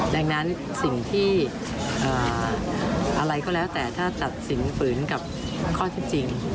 ดังนั้นสิ่งที่อะไรก็แล้วแต่ถ้าตัดสินฝืนกับข้อเท็จจริง